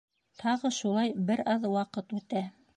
Тағы шулай бер аҙ ваҡыт үтә.